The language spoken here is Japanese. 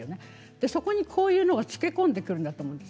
そこにこういうのがつけ込んでくるんだと思います。